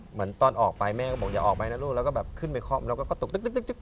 เหมือนตอนออกไปแม่ก็บอกอย่าออกไปนะลูกแล้วก็แบบขึ้นไปคล่อมแล้วก็ตกตึ๊ก